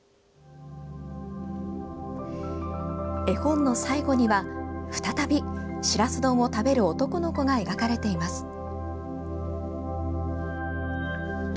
絵本の最後には、再びしらす丼を食べる男の子が描かれています。